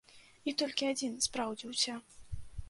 І толькі адзін спраўдзіўся.